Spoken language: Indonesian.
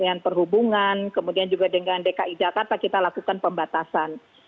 kementerian perhubungan kemudian juga dengan dki jakarta kita lakukan pembatasan